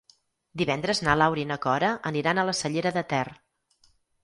Divendres na Laura i na Cora aniran a la Cellera de Ter.